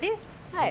はい。